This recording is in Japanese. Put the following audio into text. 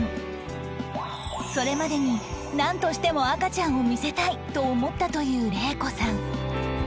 それまでになんとしても赤ちゃんを見せたいと思ったという令子さん